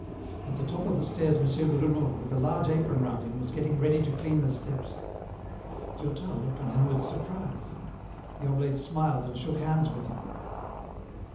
At the top of the stairs M. Bruno, with a large apron round him, was getting ready to clean the steps. Durtal looked on him with surprise. The oblate smiled and shook hands with him.